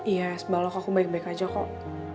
iya es balok aku baik baik aja kok